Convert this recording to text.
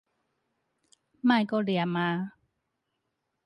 莫閣唸矣